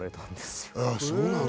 へぇ、そうなんだ。